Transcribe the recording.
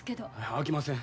あきません。